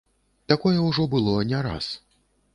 Такое ўжо было не раз.